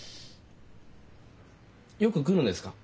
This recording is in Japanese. よく来るんですか？